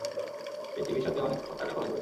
এই চিকিৎসাতে অনেক টাকা খরচ হবে।